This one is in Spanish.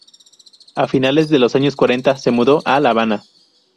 A finales de los años cuarenta se mudó a La Habana.